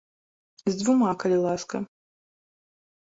З дзвюма, калі ласка!